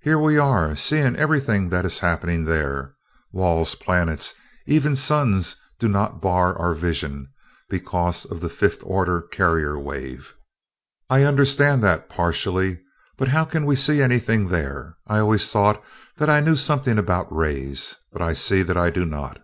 "Here we are, seeing everything that is happening there. Walls, planets, even suns, do not bar our vision, because of the fifth order carrier wave. I understand that, partially. But how can we see anything there? I always thought that I knew something about rays, but I see that I do not.